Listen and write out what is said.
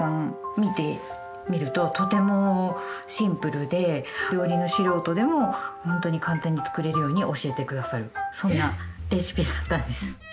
見てみるととてもシンプルで料理の素人でも本当に簡単に作れるように教えてくださるそんなレシピだったんです。